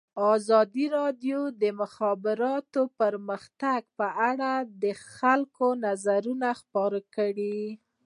ازادي راډیو د د مخابراتو پرمختګ په اړه د خلکو نظرونه خپاره کړي.